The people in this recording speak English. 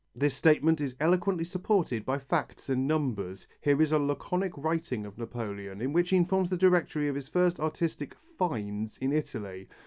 This statement is eloquently supported by facts and numbers. Here is a laconic writing of Napoleon in which he informs the Directory of his first artistic "finds" in Italy.